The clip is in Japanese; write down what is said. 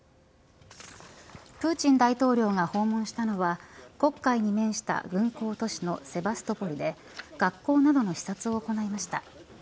プーチン大統領が訪問したのは黒海に面した軍港都市のセバストポリで学校などの視察を行いました。